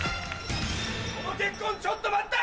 その結婚ちょっと待った！